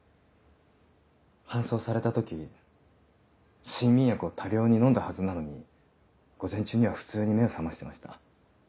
搬送された時睡眠薬を多量に飲んだはずなのに午前中には普通に目を覚ましてました。